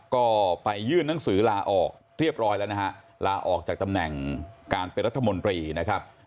ก็ไปยื่นหนังสือลาออกเรียบร้อยแล้วนะฮะลาออกจากตำแหน่งการเป็นรัฐมนตรีนะครับ